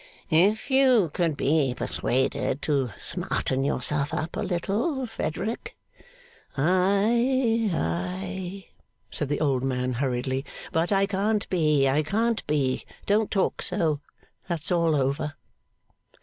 'If you could be persuaded to smarten yourself up a little, Frederick ' 'Aye, aye!' said the old man hurriedly. 'But I can't be. I can't be. Don't talk so. That's all over.